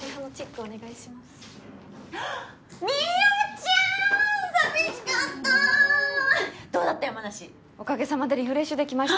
おかげさまでリフレッシュできました。